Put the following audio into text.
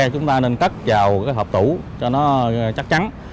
chúng ta nên cất vào cái hộp tủ cho nó chắc chắn